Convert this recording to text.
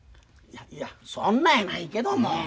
いやいやそんなやないけども。